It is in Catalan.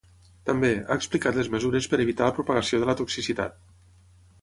També, ha explicat les mesures per evitar la propagació de la toxicitat.